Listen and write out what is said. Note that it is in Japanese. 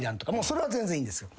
それは全然いいんですよ。